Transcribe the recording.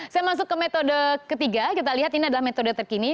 saya masuk ke metode ketiga kita lihat ini adalah metode terkini